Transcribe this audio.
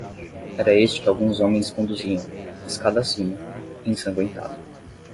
Era este que alguns homens conduziam, escada acima, ensangüentado.